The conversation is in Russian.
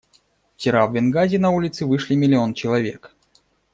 Вчера в Бенгази на улицы вышли миллион человек.